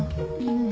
うん。